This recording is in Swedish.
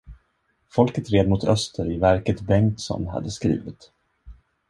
Folket red mot öster i verket Bengtsson hade skrivit.